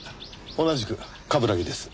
同じく冠城です。